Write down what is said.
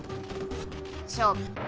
勝負。